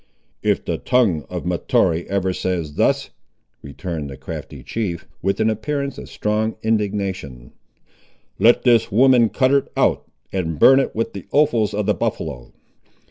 "If the tongue of Mahtoree ever says thus," returned the crafty chief, with an appearance of strong indignation, "let his women cut it out, and burn it with the offals of the buffaloe.